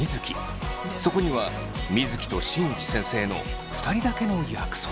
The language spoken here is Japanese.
そこには水城と新内先生の２人だけの約束が。